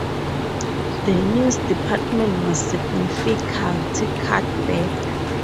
The news department was significantly cut back.